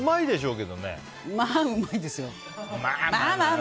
まあうまいですよ。